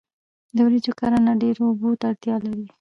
د وریجو کرنه ډیرو اوبو ته اړتیا لري.